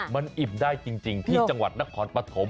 มันอิ่มได้จริงที่จังหวัดนครปฐม